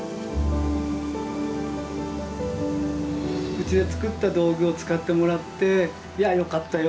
うちで作った道具を使ってもらって「いやよかったよ」